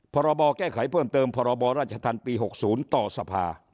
พบแก้ไขเพิ่มเติมพบรศปี๖๐ต่อสภา